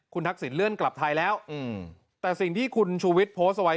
คุณทักษิณเลื่อนกลับไทยแล้วแต่สิ่งที่คุณชูวิทย์โพสต์เอาไว้